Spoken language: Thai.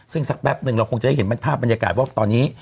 ซึ่งสักแป๊บหนึ่งเราคงจะได้เห็นเป็นภาพบรรยากาศว่าตอนนี้